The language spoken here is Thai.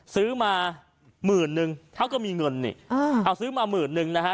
ซื้อมาหมื่นนึงเท่าก็มีเงินนี่เอาซื้อมาหมื่นนึงนะฮะ